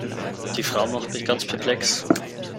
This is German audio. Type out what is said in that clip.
Die Frau macht mich ganz perplex.